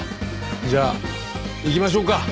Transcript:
じゃあ行きましょうか。